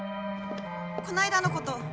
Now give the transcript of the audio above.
この間のこと。